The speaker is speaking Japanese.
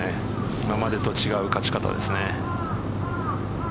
今までと違う勝ち方ですね。